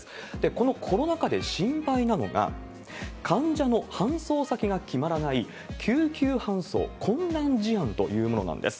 このコロナ禍で心配なのが、患者の搬送先が決まらない、救急搬送困難事案というものなんです。